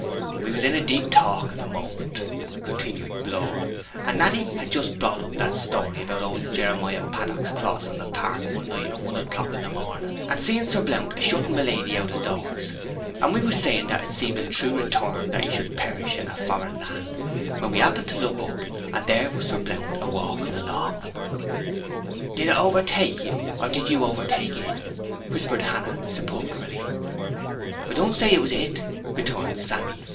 'We was in a deep talk at the moment,' continued Blore, 'and Natty had just brought up that story about old Jeremiah Paddock's crossing the park one night at one o'clock in the morning, and seeing Sir Blount a shutting my lady out o' doors; and we was saying that it seemed a true return that he should perish in a foreign land; when we happened to look up, and there was Sir Blount a walking along.' 'Did it overtake you, or did you overtake it?' whispered Hannah sepulchrally. 'I don't say 'twas it,' returned Sammy.